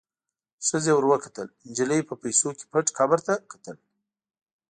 ښخې ور وکتل، نجلۍ په پیسو کې پټ قبر ته کتل.